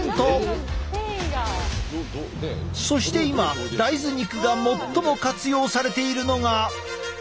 そして今大豆肉が最も活用されているのが。